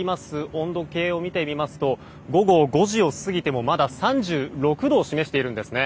温度計を見てみますと午後５時を過ぎても、まだ３６度を示しているんですね。